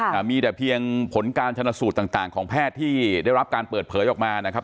อ่ามีแต่เพียงผลการชนสูตรต่างต่างของแพทย์ที่ได้รับการเปิดเผยออกมานะครับ